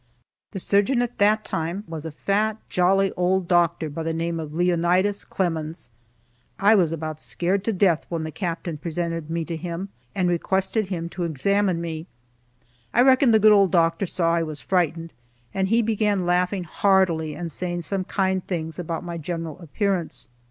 The surgeon, at that time, was a fat, jolly old doctor by the name of Leonidas Clemmons. I was about scared to death when the Captain presented me to him, and requested him to examine me. I reckon the good old doctor saw I was frightened, and he began laughing heartily and saying some kind things about my general appearance.